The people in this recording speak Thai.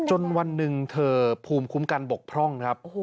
วันหนึ่งเธอภูมิคุ้มกันบกพร่องครับ